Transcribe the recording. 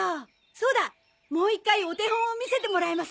そうだもう一回お手本を見せてもらえませんか？